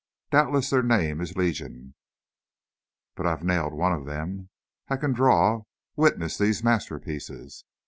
Doubtless their name is legion. But I've nailed one of them. I can draw! Witness these masterpieces!"